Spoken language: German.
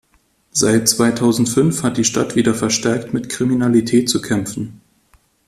Seit zweitausendfünf hat die Stadt wieder verstärkt mit Kriminalität zu kämpfen.